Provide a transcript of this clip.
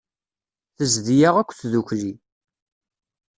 Tezdi-yaɣ akk tdukli.